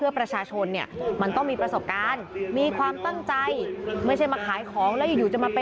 แล้วเราจะทำงานอย่างขวายหัวให้กับพ่อแม่พี่น้องสุขใจ